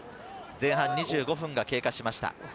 前半２５分が経過しました。